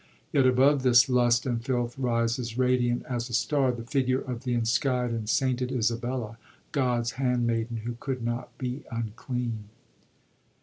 Tet above this lust and filth rises, radiant as a star, the figure of the ' ensky'd and sainted^ Isabella, God's handmaiden, who could not be un clean.